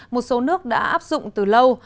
một số nước đã áp dụng từ lâu